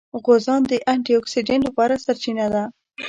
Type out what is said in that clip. غوزان د انټي اکسیډېنټ غوره سرچینه ده.